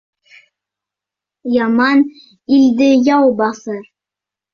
Яман илде яу баҫыр.